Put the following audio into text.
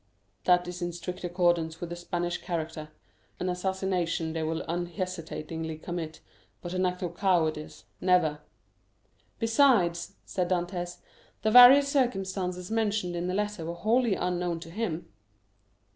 "That is in strict accordance with the Spanish character; an assassination they will unhesitatingly commit, but an act of cowardice, never." "Besides," said Dantès, "the various circumstances mentioned in the letter were wholly unknown to him."